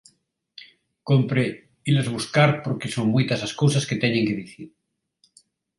Cómpre ilas buscar porque son moitas as cousas que teñen que dicir.